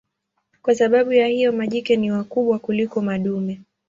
Kwa sababu ya hiyo majike ni wakubwa kuliko madume.